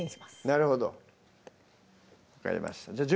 なるほど分かりましたじゃあ